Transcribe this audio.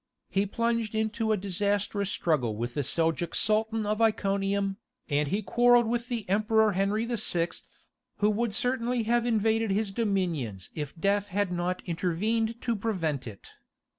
He plunged into a disastrous struggle with the Seljouk Sultan of Iconium, and he quarrelled with the Emperor Henry VI., who would certainly have invaded his dominions if death had not intervened to prevent it.